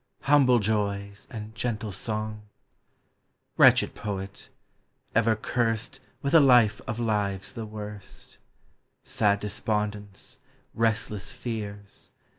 Humble joys, and gentle song! Wretched poet ! ever curst With a life of lives the worst, Sad despondence, restless fears.